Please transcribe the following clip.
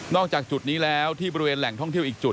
จากจุดนี้แล้วที่บริเวณแหล่งท่องเที่ยวอีกจุด